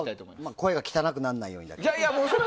あと声が汚くならないように。